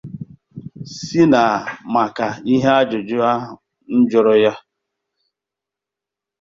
sị na maka ihe ajụjụ ahụ m jụrụ ya